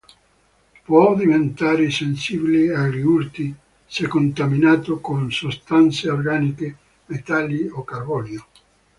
Può diventare sensibile agli urti se contaminato con sostanze organiche, metalli o carbonio.